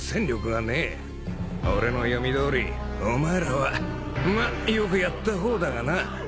俺の読みどおりお前らはまあよくやった方だがな。